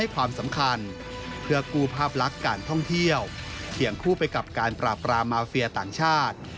การปราบปราบมาเฟียต่างชาติ